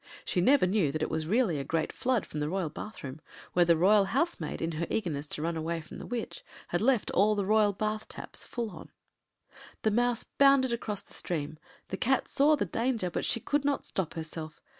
She never knew that it was really a great flood from the royal bathroom, where the royal housemaid, in her eagerness to run away from the witch, had left all the royal bath taps full on. The Mouse bounded across the stream—the Cat saw the danger, but she could not stop herself.